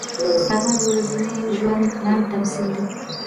غرمه د ورځني ژوند لنډ تمثیل دی